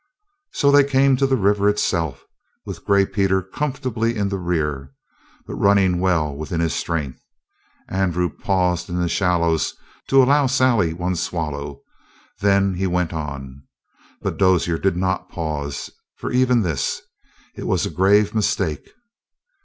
So they came to the river itself, with Gray Peter comfortably in the rear, but running well within his strength. Andrew paused in the shallows to allow Sally one swallow; then he went on. But Dozier did not pause for even this. It was a grave mistake.